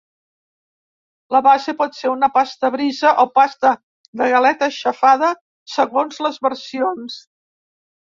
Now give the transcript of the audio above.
La base pot ser una pasta brisa o pasta de galeta aixafada, segons les versions.